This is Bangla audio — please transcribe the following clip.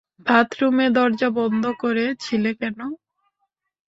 বাথরুমে দরজা বন্ধ করে ছিলে কেন?